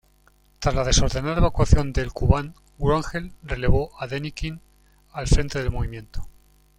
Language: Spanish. Tras la desordenada evacuación del Kubán, Wrangel relevó a Denikin al frente del movimiento.